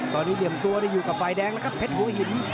ตอนนี้เหลี่ยมตัวได้อยู่กับฝ่ายแดงแล้วครับเพชรหัวหิน